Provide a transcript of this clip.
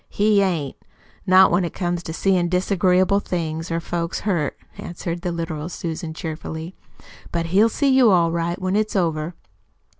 "He ain't not when it comes to seein' disagreeable things, or folks hurt," answered the literal Susan cheerfully. "But he'll see you all right, when it's over."